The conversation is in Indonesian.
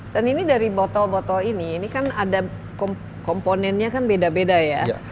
dan ini dari botol botol ini ini kan ada komponennya kan beda beda ya